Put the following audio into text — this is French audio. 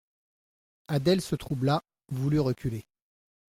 Adèle se troubla, voulut reculer.